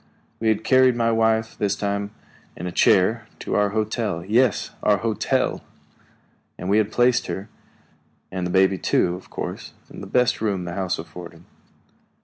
We had carried my wife, this time in a chair, to our hotel yes, our hotel! and there we had placed her, and the baby too, of course, in the best room the house afforded.